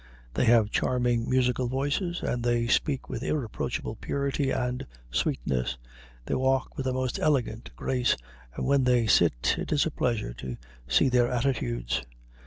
They have charming musical voices and they speak with irreproachable purity and sweetness; they walk with the most elegant grace and when they sit it is a pleasure to see their attitudes.